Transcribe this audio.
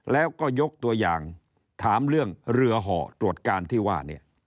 แล้วก็ยกตัวอย่างถามเรื่องเรือห่อตรวจการที่ว่าเนี่ย